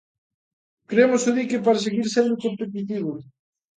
Queremos o dique para seguir sendo competitivos.